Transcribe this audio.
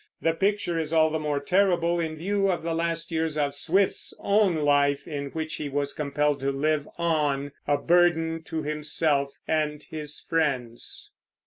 The picture is all the more terrible in view of the last years of Swift's own life, in which he was compelled to live on, a burden to himself and his friends.